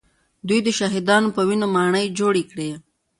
دوی د شهیدانو په وینو ماڼۍ جوړې کړې